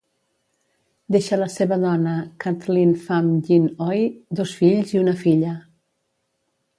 Deixa la seva dona Kathleen Fam Yin Oi, dos fills i una filla.